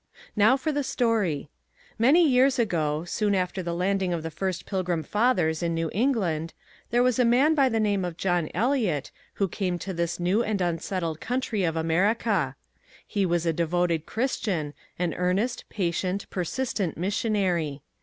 Now for the story. Many years ago, soon after the landing of the first Pilgrim Fathers in New England, there was a man by the name of John Eliot, who came to this new and unsettled country of America. He was a devoted Christian, an earnest, patient, persistent missionary.